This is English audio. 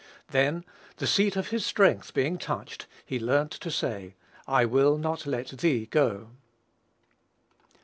Then, the seat of his strength being touched, he learnt to say, "I will not let thee go."